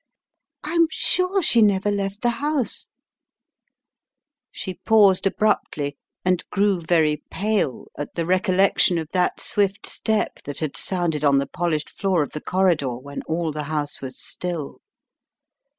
I am sure she never left the house " She paused abruptly, and grew very pale, at the recollection of that swift step that had sounded on the polished floor. i 168 The Riddle of the Purple Emperor of the corridor when all the house was still.